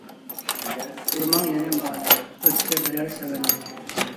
ئۇرماڭ يەنە مۇئەللىم، ئۆتسە بىرەر سەۋەنلىك.